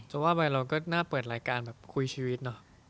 สมมติว่าเราก็น่าเปิดรายการคุยชีวิต